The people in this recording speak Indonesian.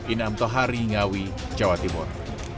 inamtohari ngawi jawa timur